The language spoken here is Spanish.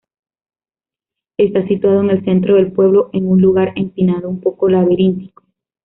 Está situado en el centro del pueblo, en un lugar empinado, un poco laberíntico.